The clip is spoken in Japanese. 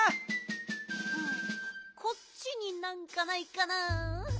こっちになんかないかな。